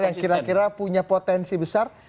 yang kira kira punya potensi besar